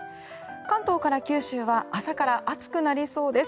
関東から九州は朝から暑くなりそうです。